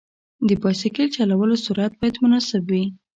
د بایسکل چلولو سرعت باید مناسب وي.